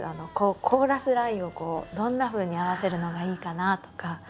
コーラスラインをどんなふうに合わせるのがいいかなとか。